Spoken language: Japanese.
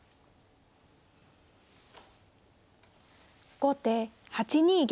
後手８二玉。